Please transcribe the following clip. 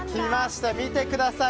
見てください。